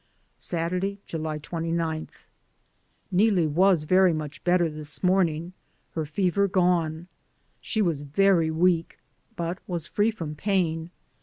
Saturday, July 29. Neelie was very much better this morning; her fever gone, she was very weak, but was free from pain.